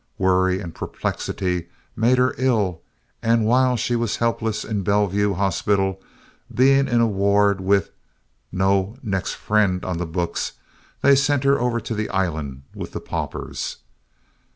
Worry and perplexity made her ill, and while she was helpless in Bellevue Hospital, being in a ward with no "next friend" on the books, they sent her over to the Island with the paupers.